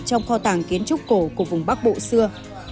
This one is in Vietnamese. trong kho tàng kiến trúc cổ của vùng bắc bộ xưa